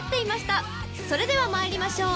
それでは参りましょう。